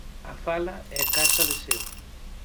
A fala é casa de seu.